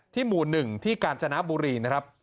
หมู่๑ที่กาญจนบุรีนะครับ